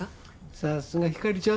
さすがひかりちゃん。